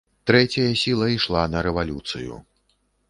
Трэцяя сіла ішла на рэвалюцыю.